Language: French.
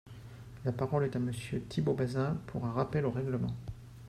La parole est à Monsieur Thibault Bazin, pour un rappel au règlement.